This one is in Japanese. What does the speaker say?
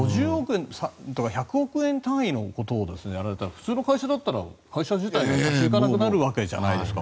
１００億円単位のことをやられたら普通の会社だったら会社自体が立ちいかなくなるわけじゃないですか。